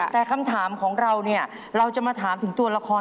แต่คำถามของเราเนี่ยเราจะมาถามถึงตัวละคร